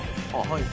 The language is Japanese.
はい。